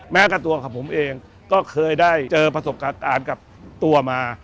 กับตัวของผมเองก็เคยได้เจอประสบการณ์กับตัวมา